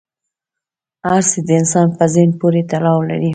هر څه د انسان په ذهن پورې تړاو لري.